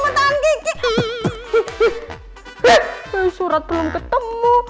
aku mau pergi dulu